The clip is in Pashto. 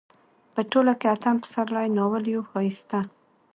په ټوله کې اتم پسرلی ناول يو ښايسته